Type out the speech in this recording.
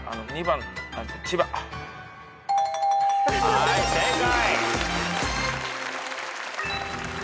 はい正解。